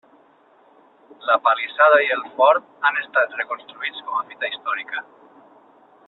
La palissada i el fort han estat reconstruïts com a fita històrica.